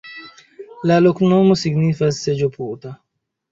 La loknomo signifas seĝo-puta.